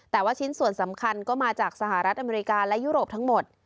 แต่ว่าชิ้นส่วนสำคัญก็มาจากสหรัฐอเมริกาและยุโรปทั้งหมด